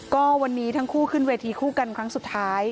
ก็วันนี้ทั้งคู่ขึ้นเวทีคู่กันครั้งสุดท้าย